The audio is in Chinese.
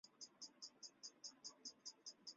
卡尼塔尔是巴西圣保罗州的一个市镇。